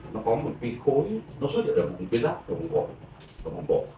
nó có một cái khối nó xuất hiện ở vùng tuyến giáp vùng bộ